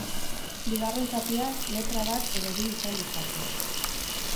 Bigarren zatiak, letra bat edo bi izan ditzake.